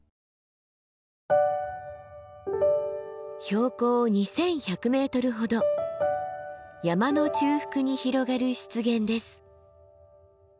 標高２，１００ｍほど山の中腹に広がる湿原です。